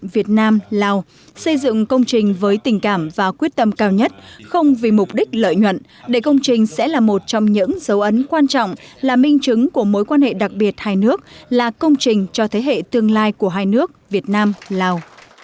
việt nam lào xây dựng công trình với tình cảm và quyết tâm cao nhất không vì mục đích lợi nhuận để công trình sẽ là một trong những dấu ấn quan trọng là minh chứng của mối quan hệ đặc biệt hai nước là công trình cho thế hệ tương lai của hai nước việt nam lào